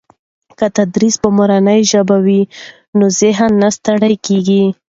که تدریس په مورنۍ ژبه وي نو ذهن نه ستړي کېږي.